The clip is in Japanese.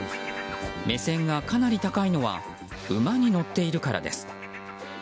目線がかなり高いのは馬に乗っているからです。